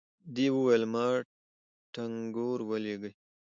دې وويل ما ټنګور ولېږئ.